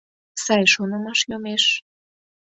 Сай шонымаш йомеш.